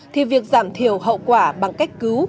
thì việc giảm thiểu hậu quả bằng cách cứu